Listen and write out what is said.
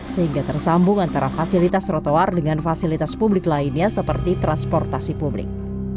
sehingga tersambung antara fasilitas trotoar dengan fasilitas publik lainnya seperti transportasi publik